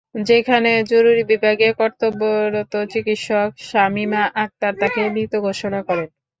সেখানে জরুরি বিভাগে কর্তব্যরত চিকিৎসক শামীমা আক্তার তাঁকে মৃত ঘোষণা করেন।